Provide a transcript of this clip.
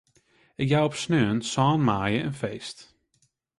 Ik jou op sneon sân maaie in feest.